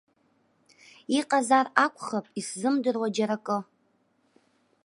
Иҟазар акәхап исзымдыруа џьара акы.